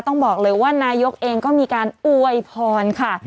ต้องบอกเลยว่านายกเองก็มีการอวยพรค่ะ